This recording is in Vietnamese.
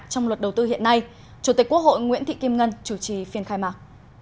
trong luật đầu tư hiện nay chủ tịch quốc hội nguyễn thị kim ngân chủ trì phiên khai mạc